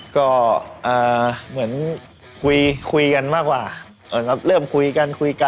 ก็เหมือนคุยกันมากกว่าเริ่มคุยกันคุยกัน